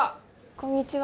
こんにちは